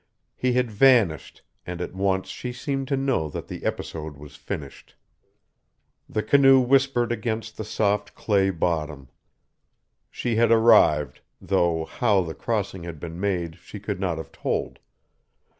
He had vanished, and at once she seemed to know that the episode was finished. The canoe whispered against the soft clay bottom. She had arrived, though how the crossing had been made she could not have told.